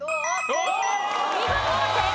見事正解！